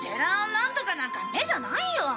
なんとかなんか目じゃないよ。